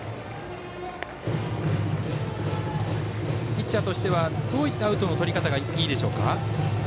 ピッチャーとしてはどういったアウトのとり方がいいでしょうか。